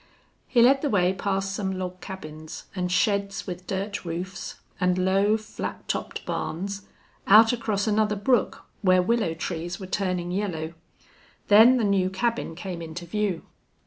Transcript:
He led the way past some log cabins, and sheds with dirt roofs, and low, flat topped barns, out across another brook where willow trees were turning yellow. Then the new cabin came into view.